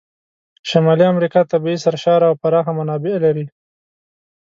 شمالي امریکا طبیعي سرشاره او پراخه منابع لري.